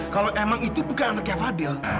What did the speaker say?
kalau emang itu bukan anaknya fadil